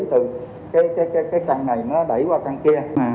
từ cái căn này nó đẩy qua căn kia